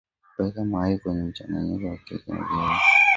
weka mayai kwenye mchanganyiko wa keki ya viazi lishe